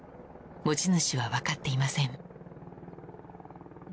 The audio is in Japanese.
持ち主は分かっていません。